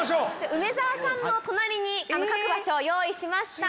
梅沢さんの隣に描く場所を用意しました。